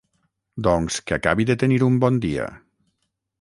Doncs que acabi de tenir un bon dia.